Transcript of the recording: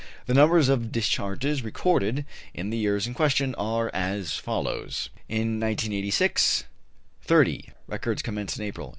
The numbers of discharges recorded in the years in question are as follows: In 1886, 30. (Records commenced in April.)